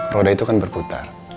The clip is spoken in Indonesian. roda itu kan berputar